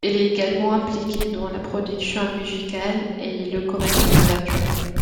Il est également impliqué dans la production musicale et le commerce de voitures.